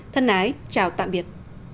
thân ái chào tạm biệt